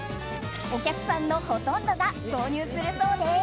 お客さんのほとんどが購入するそうです。